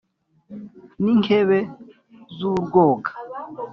n’inkebe z’urwoga